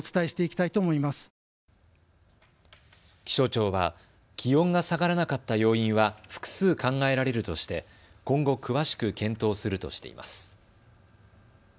気象庁は気温が下がらなかった要因は複数考えられるとして今後詳しく検討するとしています。